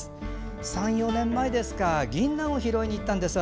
３４年前ですか、ぎんなんを私、拾いにいったんです。